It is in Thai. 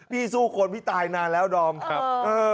สู้คนพี่ตายนานแล้วดอมครับ